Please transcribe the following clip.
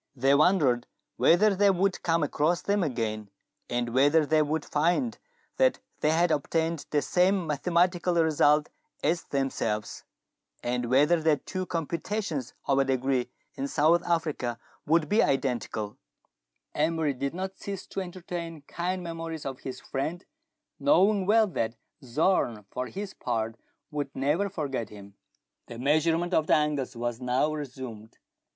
They wondered whether they would come across them again, and whether they would find that they had obtained the same mathematical result as themselves, and whether the two computations of a degree in South Africa would be identical Emery did not cease to entertain kiijd memories 174 meridiana; the adventures of of his friend, knowing well that Zorn, for his part, would never forget him. The measurement of the angles was now resumed.